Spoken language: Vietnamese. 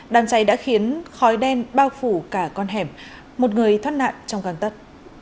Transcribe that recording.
đám cháy đã khiến khói đen bao phủ cả con hẻm một người thoát nạn trong găng tất